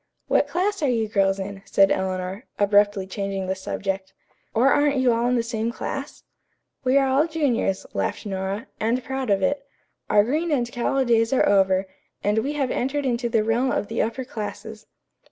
"What class are you girls in?" said Eleanor, abruptly changing the subject. "Or aren't you all in the same class?" "We are all juniors," laughed Nora, "and proud of it. Our green and callow days are over, and we have entered into the realm of the upper classes."